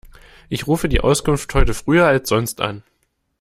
Ich rufe die Auskunft heute früher als sonst an.